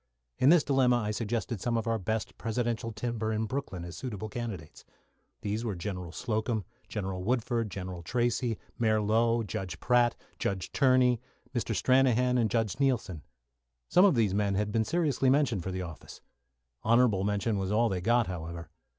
In this dilemma I suggested some of our best presidential timber in Brooklyn as suitable candidates. These were General Slocum, General Woodford, General Tracey, Mayor Low, Judge Pratt, Judge Tierney, Mr. Stranahan, and Judge Neilson. Some of these men had been seriously mentioned for the office. Honourable mention was all they got, however.